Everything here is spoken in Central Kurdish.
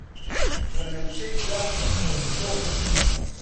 وەنەوشەی جوانی خۆشبۆ